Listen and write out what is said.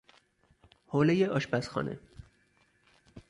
حوله آشپزخانه